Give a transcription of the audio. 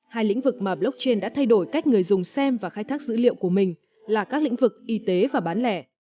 hai lĩnh vực mà blockchain đã thay đổi cách người dùng xem và khai thác dữ liệu của mình là các lĩnh vực y tế và bán lẻ